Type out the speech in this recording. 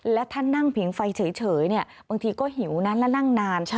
และถ้านั่งผิงไฟเฉยบางทีก็หิวนะแล้วนั่งนาน